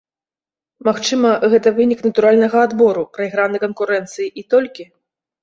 Магчыма, гэта вынік натуральнага адбору, прайгранай канкурэнцыі, і толькі?